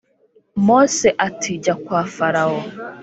Mose ati jya kwa Farawo